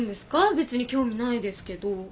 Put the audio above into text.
別に興味ないですけど。